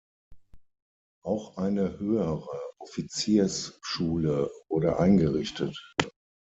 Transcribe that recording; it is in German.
Auch eine höhere Offiziersschule wurde eingerichtet.